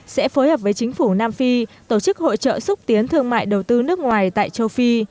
sẽ phối hợp với chính phủ nam phi tổ chức hội trợ xúc tiến thương mại đầu tư nước ngoài tại châu phi